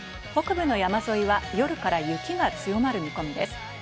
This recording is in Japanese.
北部の山沿いは夜から雪が強まる見込みです。